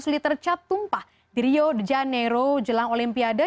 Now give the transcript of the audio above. dua ratus liter cat tumpah di rio de janeiro jelang olimpiade